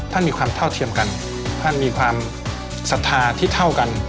มีความเท่าเทียมกันท่านมีความศรัทธาที่เท่ากัน